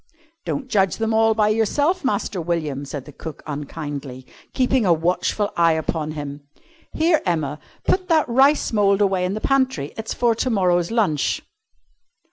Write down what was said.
"Don't judge them all by yourself, Master William," said cook unkindly, keeping a watchful eye upon him. "Here, Emma, put that rice mould away in the pantry. It's for to morrow's lunch."